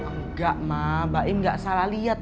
enggak ma baim gak salah lihat